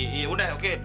yaudah oke deal deal